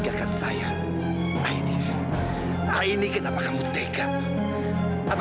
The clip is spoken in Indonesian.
nacho sati tersendiri